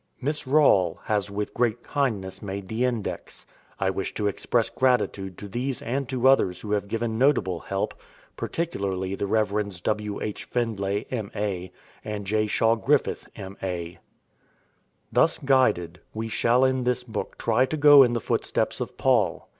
Miss Rawle has with great kindness made the Index. I wish to express gratitude to these and to others who have given notable help, particularly the Revs. W. H. Findlay, m.a., and J. Shaw Griffith, m.a. Thus guided, we shall in this book try to go in the footsteps of Paul.